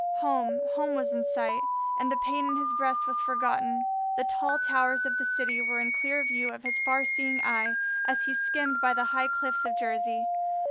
Home, home was in sight, and the pain in his breast was forgotten. The tall towers of the city were in clear view of his far seeing eye as he skimmed by the high cliffs of Jersey.